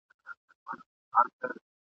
سپورټ د ځوانانو خوښ فعالیت دی.